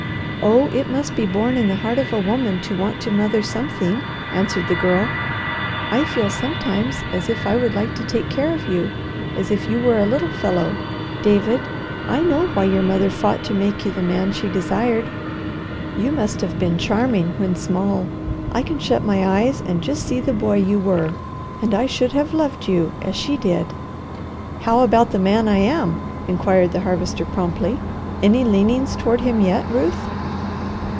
"Oh it must be born in the heart of a woman to want to mother something," answered the Girl. "I feel sometimes as if I would like to take care of you, as if you were a little fellow. David, I know why your mother fought to make you the man she desired. You must have been charming when small. I can shut my eyes and just see the boy you were, and I should have loved you as she did." "How about the man I am?" inquired the Harvester promptly. "Any leanings toward him yet, Ruth?"